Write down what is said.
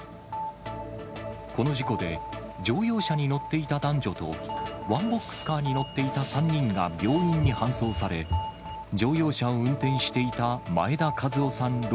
この事故で、乗用車に乗っていた男女と、ワンボックスカーに乗っていた３人が病院に搬送され、乗用車を運転していた前田和夫さん